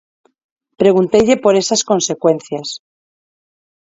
Pregunteille por esas consecuencias.